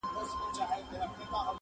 په ګردش کي زما د عمر فیصلې دي,